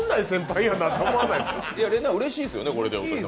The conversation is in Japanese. うれしいですね。